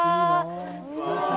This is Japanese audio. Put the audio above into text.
こんにちは。